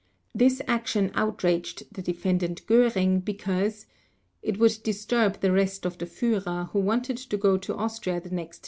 This action outraged the Defendant Göring, because "it would disturb the rest of the Führer, who wanted to go to Austria the next day".